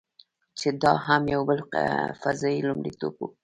چې دا هم یو بل فضايي لومړیتوب و.